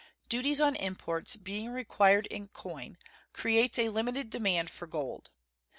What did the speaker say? Duties on imports being required in coin creates a limited demand for gold.